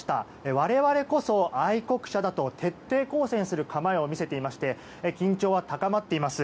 我々こそ、愛国者だと徹底抗戦する構えを見せていまして緊張は高まっています。